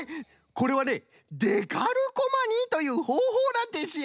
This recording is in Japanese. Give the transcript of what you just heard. これはねデカルコマニーというほうほうなんですよ。